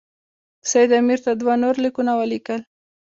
سید امیر ته دوه نور لیکونه ولیکل.